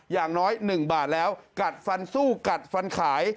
อย่างน้อย๑บาทแล้วกัดฟันสู้กัดฟันขาย